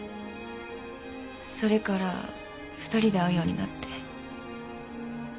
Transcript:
それから２人で会うようになって。